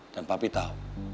dan papi tahu